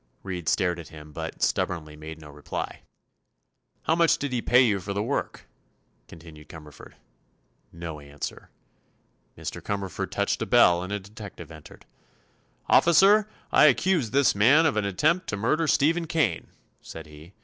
Reed stared at him but, stubbornly made no reply. "How much did he pay you for the work?" continued Cumberford. No answer. Mr. Cumberford touched a bell and a detective entered. "Officer, I accuse this man of an attempt to murder Stephen Kane," said he.